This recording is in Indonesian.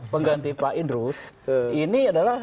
pengganti pak idrus ini adalah